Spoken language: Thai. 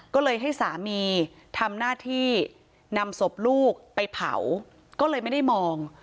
ก็เลยให้สามีทำหน้าที่นำศพลูกไปเผาก็เลยไม่ได้มอง